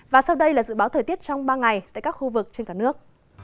và sau đây là dự báo thời tiết trong ba ngày tại các khu vực trên cả nước